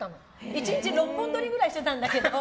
１日６本撮りぐらいしてたんだけど。